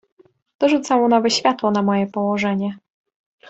"To rzucało nowe światło na moje położenie."